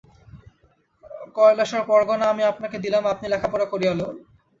কয়লাসর পরগনা আমি আপনাকে দিলাম–আপনি লেখাপড়া করিয়া লউন।